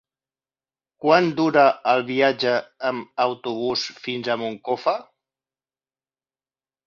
Quant dura el viatge en autobús fins a Moncofa?